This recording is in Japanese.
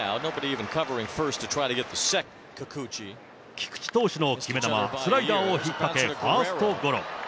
菊池投手の決め球、スライダーを引っ掛け、ファーストゴロ。